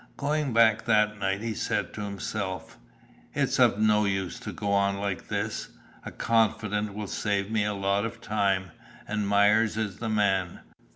Going back that night he said to himself: "It's of no use to try to go on like this; a confidant will save me a lot of time, and Myers is the man.